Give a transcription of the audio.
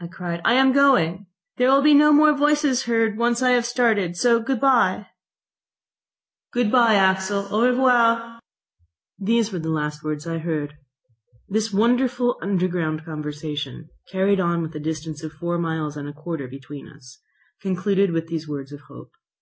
I cried. "I am going. There will be no more voices heard when once I have started. So good bye!" .... "Good bye, Axel, au revoir!" .... These were the last words I heard. This wonderful underground conversation, carried on with a distance of four miles and a quarter between us, concluded with these words of hope.